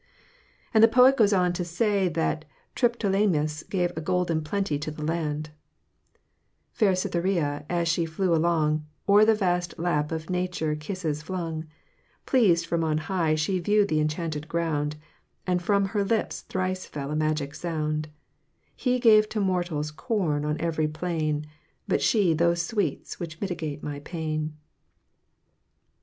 And the poet goes on to say that as Triptolemus gave a golden plenty to the land: Fair Cytherea, as she flew along, O'er the vast lap of nature kisses flung; Pleased from on high she viewed the enchanted ground, And from her lips thrice fell a magic sound; He gave to mortals corn on every plain, But she those sweets which mitigate my pain.